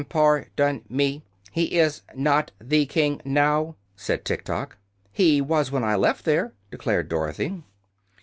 "Par don me. He is not the king now," said Tiktok. "He was when I left there," declared Dorothy.